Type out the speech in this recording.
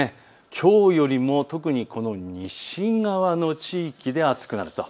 きょうよりも特に西側の地域で暑くなると。